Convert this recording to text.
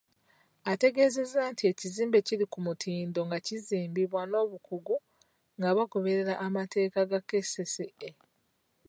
Ategeezezza nti ekizimbe kiri ku mutindo nga kizimbiddwa n'obukugu nga bagoberera amateeka ga KCCA.